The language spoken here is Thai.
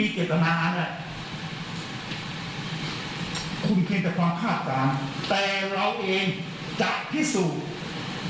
แต่เราเองจะพิสูจน์